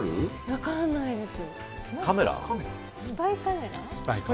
分かんないです。